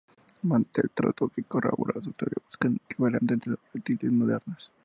Mantell trató de corroborar su teoría buscando un equivalente entre los reptiles modernos.